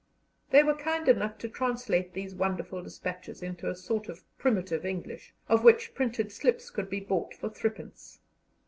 They were kind enough to translate these wonderful despatches into a sort of primitive English, of which printed slips could be bought for threepence.